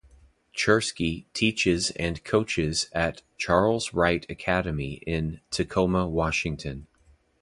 Chursky teaches and coaches at Charles Wright Academy in Tacoma, Washington.